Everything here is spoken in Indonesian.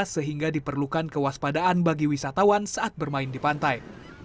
sehingga diperlukan kewaspadaan bagi wisatawan saat bermain di pantai